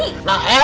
ini exekual ada